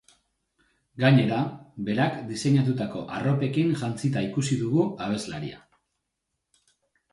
Gainera, berak diseinatutako arropekin jantzita ikusi dugu abeslaria.